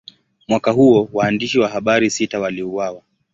Mwaka huo, waandishi wa habari sita waliuawa.